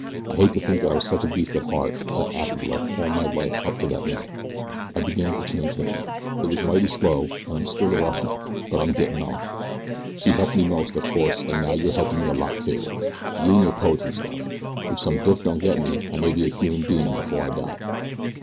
I hate to think that I was such a beast at heart as I acted like all my life up to that minute. I began to change then. It was mighty slow, an' I'm still a roughneck; but I'm gettin' on. She helped me most, of course, an' now you're helpin' me a lot, too you an' your poetry stuff. If some dick don't get me I may get to be a human bein' before I die."